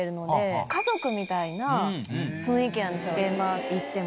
現場行っても。